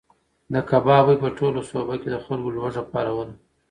د کباب بوی په ټوله سوبه کې د خلکو لوږه پاروله.